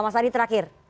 mas adi terakhir